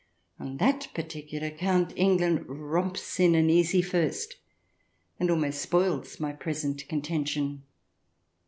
On that par ticular count England romps in an easy first, and almost spoils my present contention.